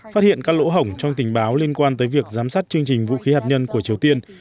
phát hiện các lỗ hổng trong tình báo liên quan tới việc giám sát chương trình vũ khí hạt nhân của triều tiên